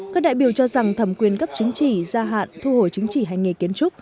các đại biểu cho rằng thẩm quyền cấp chứng chỉ gia hạn thu hồi chứng chỉ hành nghề kiến trúc